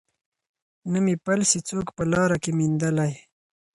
نه مي پل سي څوک په لاره کي میندلای